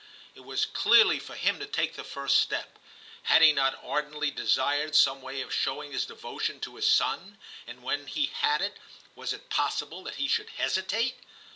It was clearly for him to take the first step ; had he not ardently desired some way of showing his devotion to his son, and when he had it, was it possible that he should hesitate